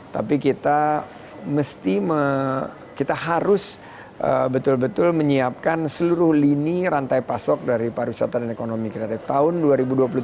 tapi kita harus betul betul menyiapkan seluruh lini rantai pasok dari para wisata dan ekonomi kreatif tahun ini